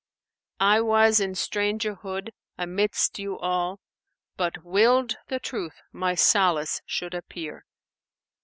I was in strangerhood amidst you all: * But willed the Truth[FN#491] my solace should appear.